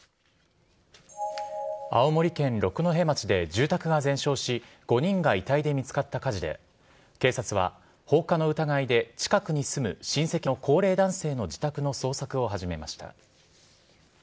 青森県六戸町で住宅が全焼し５人が遺体で見つかった火事で警察は放火の疑いで近くに住む親戚の高齢男性の自宅の捜索を始めました。